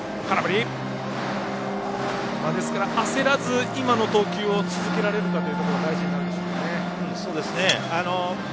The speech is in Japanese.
焦らず今の投球を続けられるかというところが大事になるでしょうね。